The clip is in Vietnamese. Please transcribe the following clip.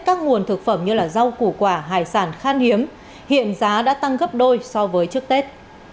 các nguồn thực phẩm như rau củ quả hải sản khan hiếm hiện giá đã tăng gấp đôi so với trước tết